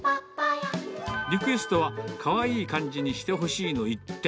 リクエストは、かわいい感じにしてほしいの一点。